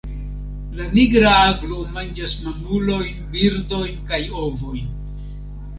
La Nigra aglo manĝas mamulojn, birdojn kaj ovojn.